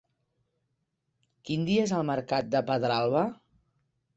Quin dia és el mercat de Pedralba?